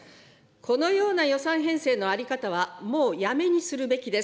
このような予算編成の在り方はもうやめにするべきです。